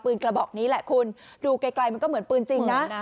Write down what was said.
กระบอกนี้แหละคุณดูไกลมันก็เหมือนปืนจริงนะ